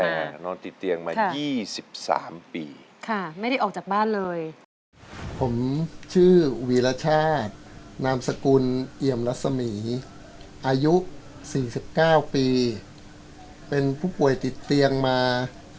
แต่นอนติดเตียงมา๒๓ปีค่ะไม่ได้ออกจากบ้านเลยผมชื่อวีรชาตินามสกุลเอี่ยมรัศมีอายุสี่สิบเก้าปีเป็นผู้ป่วยติดเตียงมา